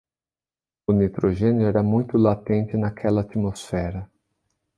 O nitrogênio era muito latente naquela atmosfera